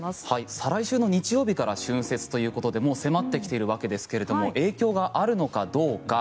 再来週の日曜日から春節ということでもう迫ってきているわけですが影響があるのかどうか。